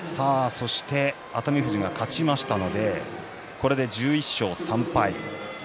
そして熱海富士が勝ちましたのでこれで１１勝３敗。